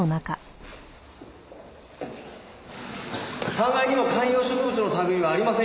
３階にも観葉植物の類いはありませんよ。